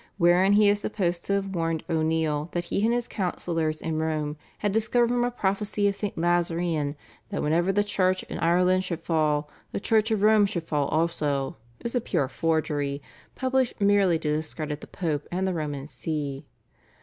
wherein he is supposed to have warned O'Neill that he and his councillors in Rome had discovered from a prophecy of St. Laserian that whenever the Church in Ireland should fall the Church of Rome should fall also, is a pure forgery published merely to discredit the Pope and the Roman See.